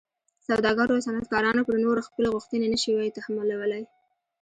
سوداګرو او صنعتکارانو پر نورو خپلې غوښتنې نه شوای تحمیلولی.